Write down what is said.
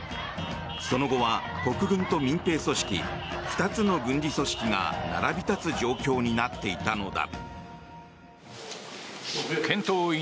その後は、国軍と民兵組織２つの軍事組織が並び立つ状況になっていたのだ。